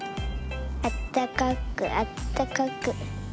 あったかくあったかく。